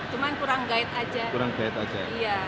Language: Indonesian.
cuma kurang guide aja